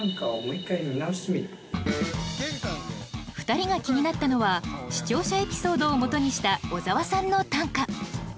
２人が気になったのは視聴者エピソードをもとにした小沢さんの短歌。